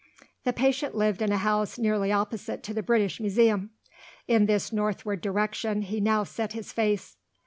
The patient lived in a house nearly opposite to the British Museum. In this northward direction he now set his face.